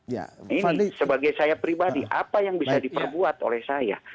ini sebagai saya pribadi apa yang bisa diperbuat oleh saya